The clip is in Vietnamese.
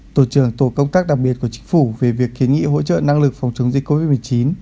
tổ trưởng tổ công tác đặc biệt của chính phủ về việc kiến nghị hỗ trợ năng lực phòng chống dịch covid một mươi chín